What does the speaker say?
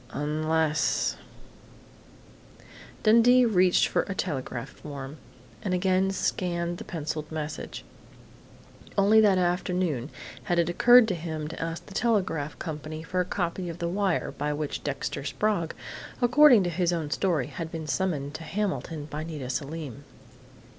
Unless " Dundee reached for a telegraph form and again scanned the pencilled message. Only that afternoon had it occurred to him to ask the telegraph company for a copy of the wire by which Dexter Sprague, according to his own story, had been summoned to Hamilton by Nita Selim.